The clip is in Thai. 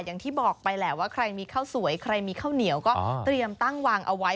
อย่างที่บอกไปแหละว่าใครมีข้าวสวยใครมีข้าวเหนียวก็เตรียมตั้งวางเอาไว้